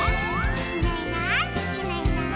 「いないいないいないいない」